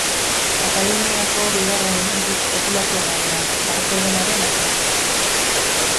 Kataluniako bigarren hiririk populatuena dena, Bartzelonaren atzetik.